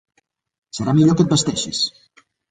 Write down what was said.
Serà millor que et vesteixis!